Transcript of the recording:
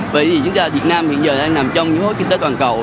vậy thì chúng ta việt nam hiện giờ đang nằm trong những hối kinh tế toàn cầu